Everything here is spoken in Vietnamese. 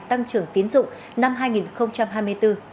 tăng trưởng tiến dụng năm hai nghìn hai mươi bốn